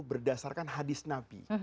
berdasarkan hadis nabi